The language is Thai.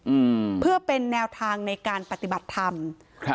อืมเพื่อเป็นแนวทางในการปฏิบัติธรรมครับ